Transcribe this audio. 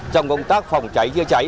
trong công tác phòng cháy chữa cháy